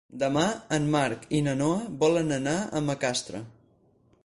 Demà en Marc i na Noa volen anar a Macastre.